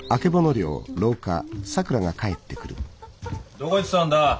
どこ行ってたんだ？